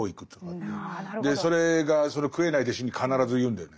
それが食えない弟子に必ず言うんだよね。